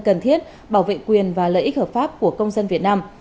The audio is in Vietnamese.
cần thiết bảo vệ quyền và lợi ích hợp pháp của công dân việt nam